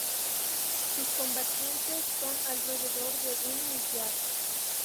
Sus combatientes son alrededor de un millar.